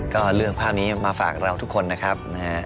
ก็เรื่องความนี้มาฝากเราทุกคนนะครับ